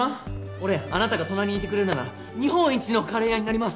俺あなたが隣にいてくれるなら日本一のカレー屋になります！